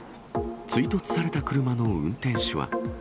追突された車の運転手は。